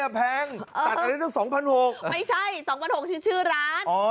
อ่ะแพงตัดอันนี้ตั้งสองพันหกไม่ใช่สองพันหกชื่อร้านอ๋อ